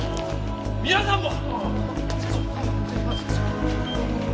皆さんも！